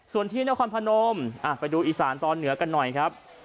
ส่วนที่นครพนมไปดูอีสานตอนเหนือกันหน่อยครับ